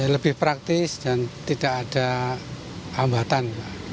lebih praktis dan tidak ada hambatan